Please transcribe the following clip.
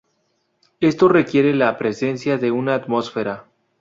Esto requiere la presencia de una atmósfera.